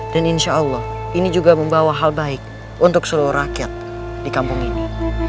dan insya allah ini juga membawa hal baik untuk seluruh rakyat di kampung ini